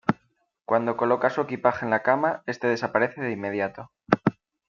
Cuando coloca su equipaje en la cama, este desaparece de inmediato.